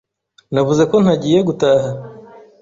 Navuze ko ntagiye guhaha.